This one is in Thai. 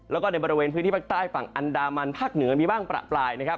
แล้วก็ในบริเวณพื้นที่ภาคใต้ฝั่งอันดามันภาคเหนือมีบ้างประปรายนะครับ